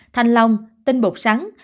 thanh long tinh bột sắn